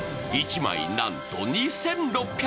１枚なんと、２６００円。